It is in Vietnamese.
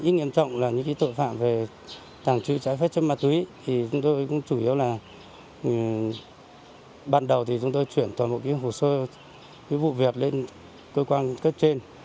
nói chung bản đồ chúng tôi chuyển toàn bộ hồ sơ với vụ việc lên cơ quan cấp trên